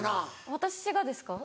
私がですか？